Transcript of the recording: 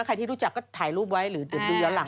ใครที่รู้จักก็ถ่ายรูปไว้หรือดูย้อนหลัง